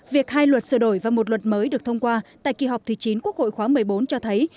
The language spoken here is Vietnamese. việc hai luật sửa đổi và một luật mới được thông qua tại kỳ họp thứ chín quốc hội khóa một mươi bốn cho thấy